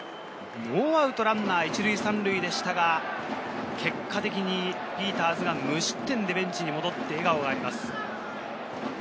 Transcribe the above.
ノーアウトランナー１塁３塁でしたが、結果的にピーターズが無失点でベンチに戻って笑顔があります。